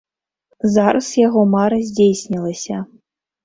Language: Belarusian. Зараз яго мара здзейснілася.